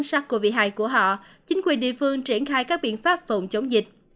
sars cov hai của họ chính quyền địa phương triển khai các biện pháp phòng chống dịch